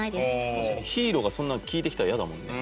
確かにヒーローがそんなの聞いてきたら嫌だもんね。